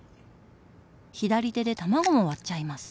左手で卵も割っちゃいます！